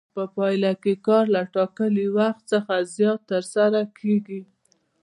په پایله کې کار له ټاکلي وخت څخه زیات ترسره کېږي